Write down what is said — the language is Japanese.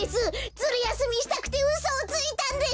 ズルやすみしたくてうそをついたんです！